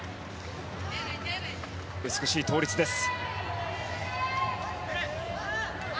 美しい倒立です。